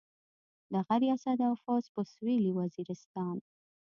دغه ریاست او فوځ په سویلي وزیرستان.